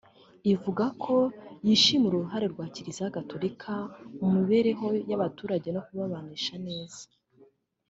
ivuga ko yishimira uruhare rwa Kiliziya Gatolika mu mibereho y’abaturage no kubabanisha neza